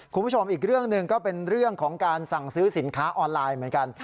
คุณผู้ชมอีกเรื่องหนึ่งก็เป็นเรื่องของการสั่งซื้อสินค้าออนไลน์เหมือนกัน